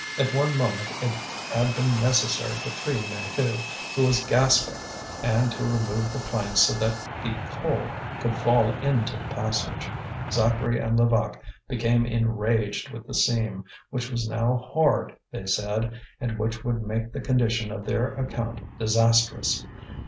At one moment it had been necessary to free Maheu, who was gasping, and to remove the planks so that the coal could fall into the passage. Zacharie and Levaque became enraged with the seam, which was now hard, they said, and which would make the condition of their account disastrous.